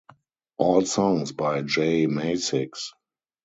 All songs by J Mascis.